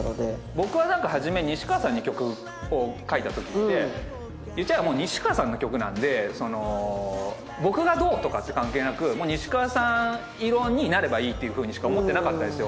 僕ははじめ西川さんに曲を書いたときって言っちゃえばもう西川さんの曲なので僕がどうとかって関係なく西川さん色になればいいっていうふうにしか思ってなかったんですよ。